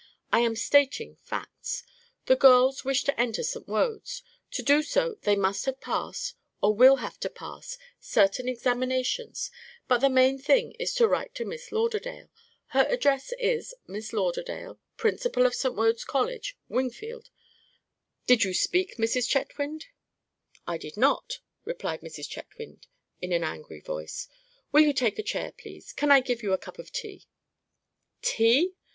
"I am stating facts. The girls wish to enter St. Wode's. To do so they must have passed, or will have to pass, certain examinations; but the main thing is to write to Miss Lauderdale. Her address is Miss Lauderdale, Principal of St. Wode's College, Wingfield. Did you speak, Mrs. Chetwynd?" "I did not," replied Mrs. Chetwynd, in an angry voice. "Will you take a chair, please? Can I give you a cup of tea?" "Tea?"